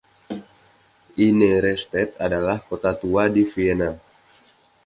Innere Stadt adalah kota tua di Vienna.